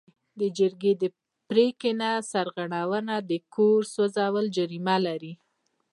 د جرګې د پریکړې نه سرغړونه د کور سوځول جریمه لري.